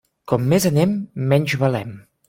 Com més anem, menys valem.